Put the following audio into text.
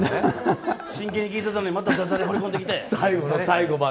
真剣に聞いてたのにまた、だじゃれ放り込んできて！